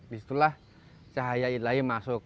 disitulah cahaya ilahi masuk